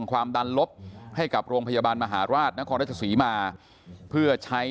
ความดันลบให้กับโรงพยาบาลมหาราชนครราชศรีมาเพื่อใช้